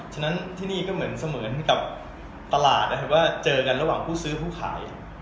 ฉะนั้นที่นี่ก็เหมือนเสมือนกับตลาดนะครับว่าเจอกันระหว่างผู้ซื้อผู้ขาย